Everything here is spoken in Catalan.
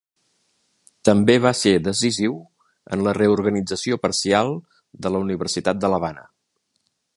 També va ser decisiu en la reorganització parcial de la Universitat de l'Havana.